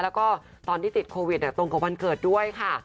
แล้วก็ตอนที่ติดโควิดตรงกับวันเกิดด้วยค่ะ